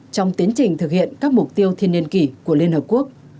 trong tiến trình thực hiện các mục tiêu thiên niên kỷ của liên hợp quốc